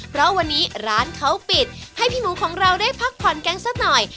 เพราะวันนี้ร้านเขาปิดให้พี่หมูของเราได้พักผ่อนกันสักหน่อย